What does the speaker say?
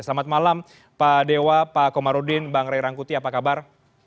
selamat malam pak dewa pak komarudin bang ray rangkuti apa kabar